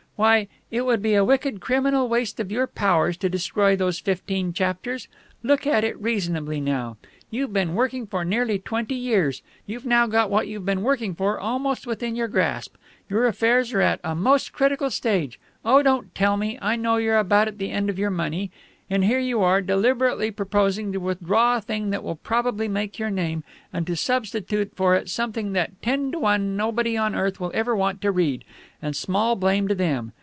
Why, it would be a wicked, criminal waste of your powers to destroy those fifteen chapters! Look at it reasonably, now. You've been working for nearly twenty years; you've now got what you've been working for almost within your grasp; your affairs are at a most critical stage (oh, don't tell me; I know you're about at the end of your money); and here you are, deliberately proposing to withdraw a thing that will probably make your name, and to substitute for it something that ten to one nobody on earth will ever want to read and small blame to them!